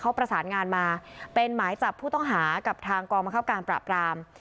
เขาประสานงานมาเป็นหมายจับผู้ต้องหากับทางกองบังคับการปราบราม